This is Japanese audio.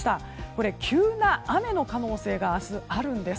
これ、急な雨の可能性が明日あるんです。